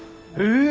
え！